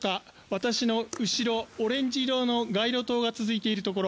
私の後ろ、オレンジ色の街路灯が続いているところ。